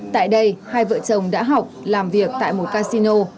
tại đây hai vợ chồng đã học làm việc tại một casino